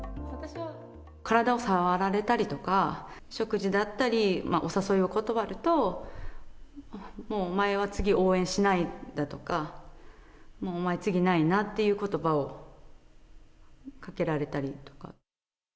体を触られたりとか、食事だったりとか、お誘いを断ると、もうお前は次、応援しないだとか、もうお前、次ないなっていうことばをかけられたりとか。